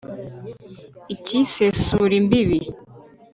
Ikisesura imbibi,